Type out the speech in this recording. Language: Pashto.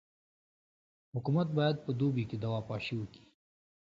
حکومت باید په دوبي کي دوا پاشي وکي.